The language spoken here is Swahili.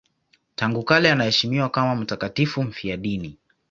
Tangu kale anaheshimiwa kama mtakatifu mfiadini.